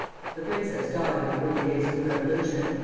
The princess died in the early days of the Revolution.